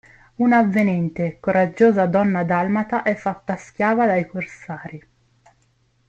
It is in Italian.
Un'avvenente, coraggiosa donna dalmata è fatta schiava dai corsari.